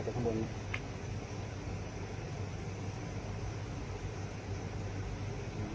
ติดลูกคลุม